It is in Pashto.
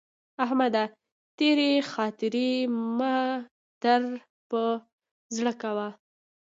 احمده! تېرې خاطرې مه در پر زړه کوه.